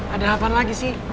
ada apaan lagi sih